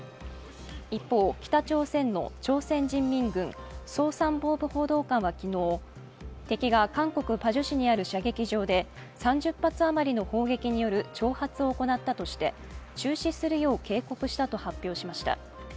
一方、北朝鮮の朝鮮人民軍総参謀部報道官は昨日、敵が韓国・パジュ市にある射撃場で３０発余りの砲撃による挑発を行ったとして中止するよう警告したと発表しました。